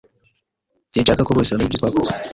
Sinshaka ko bose bamenya ibyo twakoze.